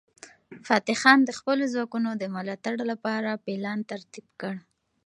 فتح خان د خپلو ځواکونو د ملاتړ لپاره پلان ترتیب کړ.